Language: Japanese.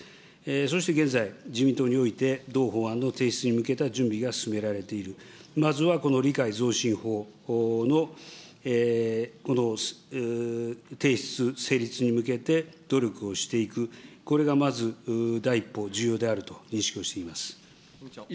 そして現在、自民党において同法案の提出に向けた準備が進められている、まずはこの理解増進法の提出、成立に向けて努力をしていく、これがまず第一歩、重要であると認識をしております。